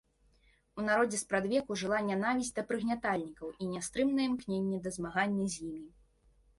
У народзе спрадвеку жыла нянавісць да прыгнятальнікаў і нястрымнае імкненне да змагання з імі.